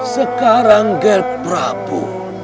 sekarang ger prabu